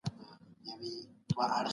عرضه باید په بازار کي موجوده وي.